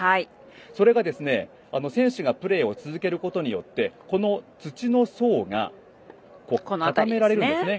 それが選手がプレーを続けることによってこの土の層が固められるんですね。